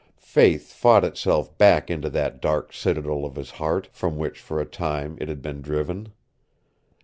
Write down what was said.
Faith fought itself back into that dark citadel of his heart from which for a time it had been driven.